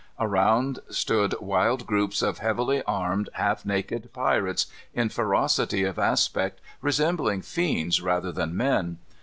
Around stood wild groups of heavily armed, half naked pirates, in ferocity of aspect resembling fiends rather than men.